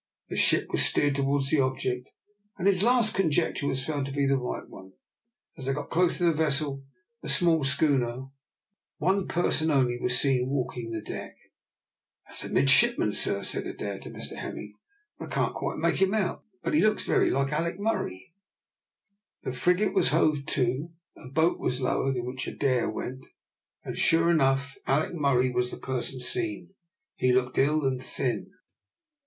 The ship was steered towards the object, and his last conjecture was found to be the right one. As they got close to the vessel, a small schooner, one person only was seen walking the deck. "That's a midshipman, sir," said Adair to Mr Hemming. "And I can't make him out quite, but he looks very like Alick Murray." The frigate was hove to, a boat was lowered, in which Adair went; and sure enough, Alick Murray was the person seen. He looked ill and thin.